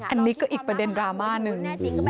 อันนี้ก็อีกประเด็นดราม่าหนึ่ง